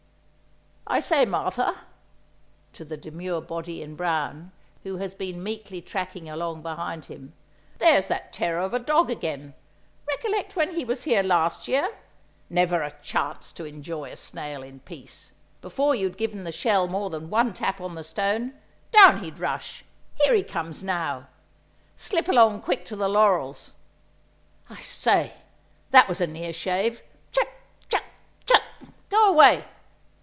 "I say, Martha!" (to the demure body in brown, who has been meekly tracking along behind him), "there's that terror of a dog again! Recollect when he was here last year? Never a chance to enjoy a snail in peace; before you'd given the shell more than one tap on the stone, down he'd rush. Here he comes now! Slip along quick to the laurels. I say, that was a near shave! Chut! chut! chut! Go away!